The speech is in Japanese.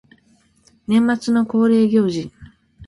年末の恒例行事